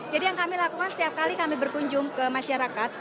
jadi yang kami lakukan setiap kali kami berkunjung ke masyarakat